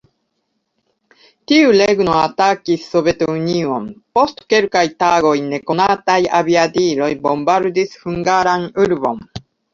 Tiu regno atakis Sovetunion, post kelkaj tagoj nekonataj aviadiloj bombardis hungaran urbon.